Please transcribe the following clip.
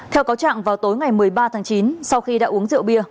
theo cáo trạng vào tối ngày một mươi ba tháng chín sau khi đã uống rượu bia